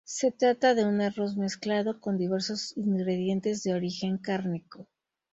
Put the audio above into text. Se trata de un arroz mezclado con diversos ingredientes de origen cárnico.